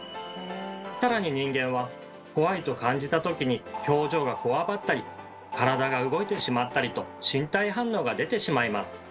さらに人間は怖いと感じたときに表情がこわばったり体が動いてしまったりと身体反応が出てしまいます。